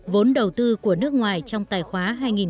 vốn đầu tư của nước ngoài trong tài khoá hai nghìn một mươi chín